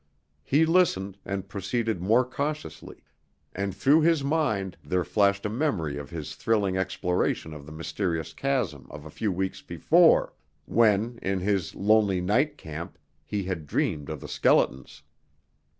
He listened, and proceeded more cautiously; and through his mind there flashed a memory of his thrilling exploration of the mysterious chasm of a few weeks before, when, in his lonely night camp, he had dreamed of the skeletons.